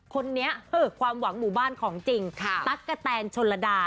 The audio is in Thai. คนนี้ความหวังหมู่บ้านของจริงตั๊กกะแตนชนระดา